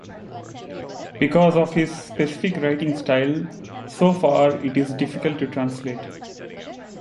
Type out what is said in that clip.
Because of his specific writing style, so far, it is difficult to translate.